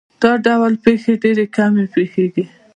دا ډول پېښې ډېرې کمې پېښېږي.